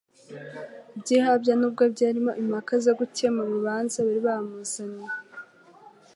by'ihabya, nubwo byarimo impaka zo gukemura urubanza bari bamuzaniye.